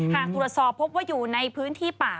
หากตรวจสอบพบว่าอยู่ในพื้นที่ป่า